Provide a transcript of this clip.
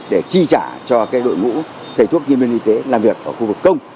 để chi trả cho cái đội ngũ thầy thuốc nhiên viên y tế làm việc ở khu vực công